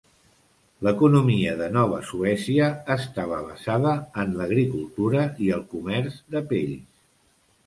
L'economia de Nova Suècia estava basada en l'agricultura i el comerç de pells.